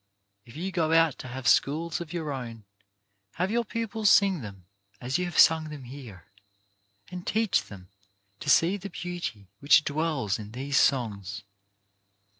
If you go out to have schools of your own, have your pupils sing them as you have sung them here, and teach them to see the beauty which dwells in these songs.